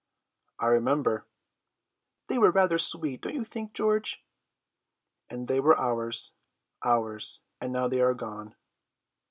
'" "I remember!" "They were rather sweet, don't you think, George?" "And they were ours, ours! and now they are gone."